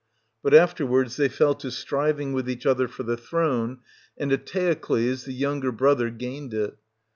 But afterwards they fell to striving with each other for the throne ; and Eteocles, the younger brother, gained it.